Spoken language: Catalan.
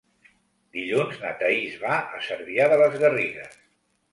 Dilluns na Thaís va a Cervià de les Garrigues.